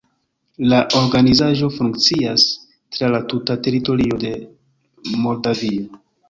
La organizaĵo funkcias tra la tuta teritorio de Moldavio.